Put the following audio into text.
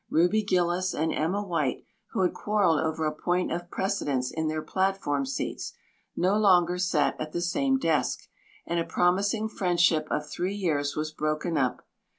Ruby Gillis and Emma White, who had quarreled over a point of precedence in their platform seats, no longer sat at the same desk, and a promising friendship of three years was broken up.